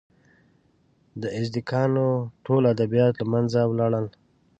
د ازتکانو ټول ادبیات له منځه ولاړل.